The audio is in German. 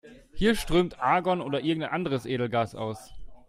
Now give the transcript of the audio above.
Hier strömt Argon oder irgendein anderes Edelgas aus.